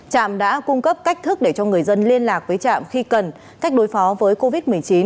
trạm đã cung cấp cách thức để cho người dân liên lạc với trạm khi cần cách đối phó với covid một mươi chín